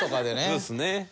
そうですね。